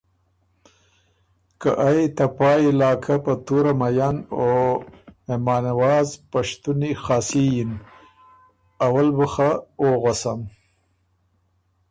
که ائ ته پا علاقه په تُوره مئن او مهمان نواز پشتُنی خاصي یِن اول بُو خه او غؤسم